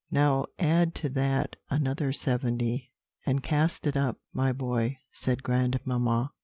"Now add to that another seventy, and cast it up, my boy," said grandmamma.